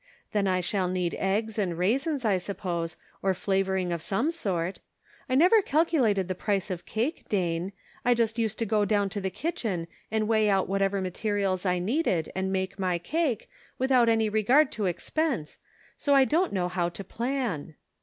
Then I shall need eggs and raisins, I suppose, or flavoring of some sort. I never calculated the price of cake, Dane ; I just used to go down to the kitchen and weigh out whatever materials I needed and make my cake, without any re Cake and Benevolence. 49 gurd to expense, so I don't know how to plan."